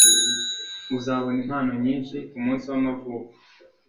Uzabona impano nyinshi kumunsi wamavuko.